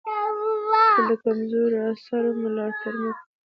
هېڅکله د کمزورو اثارو ملاتړ مه کوئ.